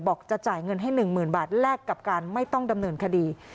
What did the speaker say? จะจ่ายเงินให้๑๐๐๐บาทแลกกับการไม่ต้องดำเนินคดี